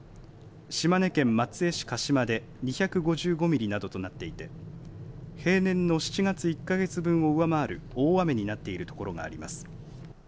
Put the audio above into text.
島根県松江市鹿島で２５５ミリなどとなっていて平年の７月１か月分を上回る大雨になっているところがあります。